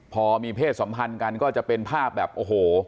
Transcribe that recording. พอมีเพศสัมพันธ์กันก็จะเป็นภาพแบบโอ้โห